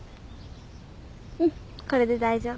うんこれで大丈夫。